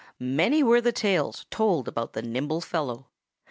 Many were the tales told about the nimble fellow.